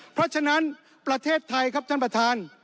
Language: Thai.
เพราะฉะนั้นประเทศไทยครับท่านประธาน